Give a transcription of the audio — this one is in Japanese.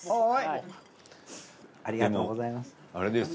ありがとうございます。